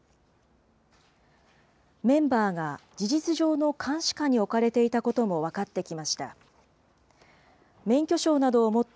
メンバーが事実上の監視下に置かれていたことも分かってきました。